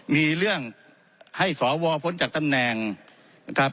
มีเรื่องให้สวพ้นจากตำแหน่งนะครับ